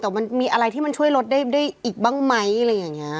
แต่มันมีอะไรที่มันช่วยลดได้อีกบ้างไหมอะไรอย่างนี้